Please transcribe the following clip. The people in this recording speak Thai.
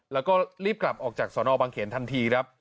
แล้วก็รีบกลับออกจากสอนออบังเขียนทันที